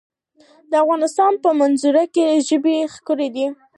د افغانستان په منظره کې ژبې ښکاره ده.